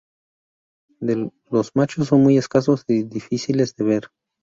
Los machos son muy escasos y difíciles de ver.